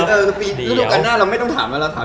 ฤดูการหน้าเราไม่ต้องถามแล้วเราถาม